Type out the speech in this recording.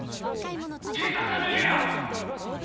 賢作さんの家や！